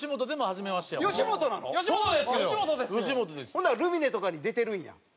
ほんならルミネとかに出てるんや。